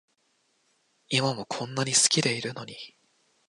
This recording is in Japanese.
今もこんなに好きでいるのに